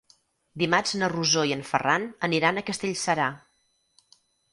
Dimarts na Rosó i en Ferran aniran a Castellserà.